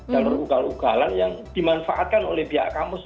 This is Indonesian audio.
jalur ugal ugalan yang dimanfaatkan oleh pihak kampus